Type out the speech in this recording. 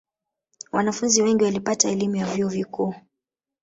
wanafunzi wengi walipata elimu ya vyuo vikuu